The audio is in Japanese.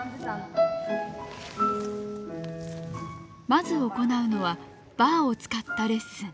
まず行うのはバーを使ったレッスン。